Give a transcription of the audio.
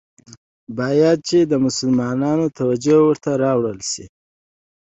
باید چي د مسلمانانو توجه ورته راوړوله سي.